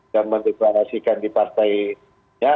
yang mendeferasikan di partainya